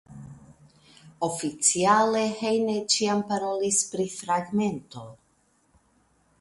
Oficiale Heine ĉiam parolis pri "fragmento".